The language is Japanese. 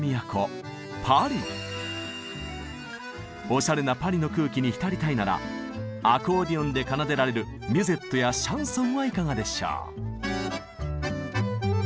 おしゃれなパリの空気に浸りたいならアコーディオンで奏でられるミュゼットやシャンソンはいかがでしょう。